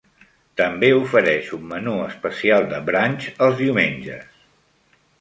També ofereix un menú especial de brunch els diumenges.